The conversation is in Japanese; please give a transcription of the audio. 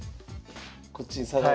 こっちに下がる？